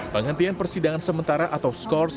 penghentian persidangan sementara atau skors